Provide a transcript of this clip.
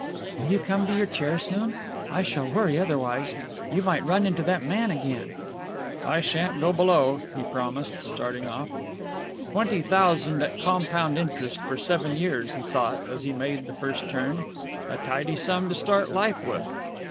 "Will you come to your chair soon? I shall worry otherwise. You might run into that man again." "I shan't go below," he promised, starting off. Twenty thousand at compound interest for seven years, he thought, as he made the first turn. A tidy sum to start life with.